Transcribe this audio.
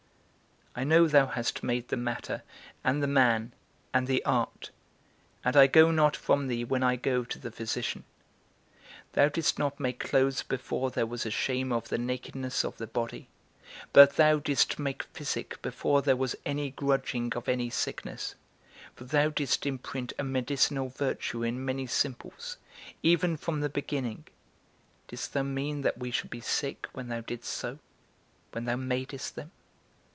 I know thou hast made the matter, and the man, and the art; and I go not from thee when I go to the physician. Thou didst not make clothes before there was a shame of the nakedness of the body, but thou didst make physic before there was any grudging of any sickness; for thou didst imprint a medicinal virtue in many simples, even from the beginning; didst thou mean that we should be sick when thou didst so? when thou madest them?